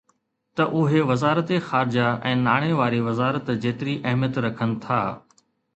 ته اهي وزارت خارجه ۽ ناڻي واري وزارت جيتري اهميت رکن ٿا